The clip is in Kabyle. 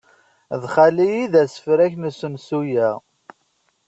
D xali ay d asefrak n usensu-a.